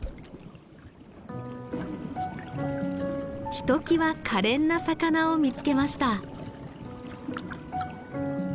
ひときわ可憐な魚を見つけました。